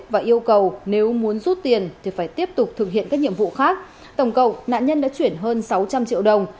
và yêu cầu nếu muốn rút tiền thì phải tiếp tục thực hiện các nhiệm vụ khác tổng cộng nạn nhân đã chuyển hơn sáu trăm linh triệu đồng